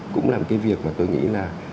cũng là cái việc mà tôi nghĩ là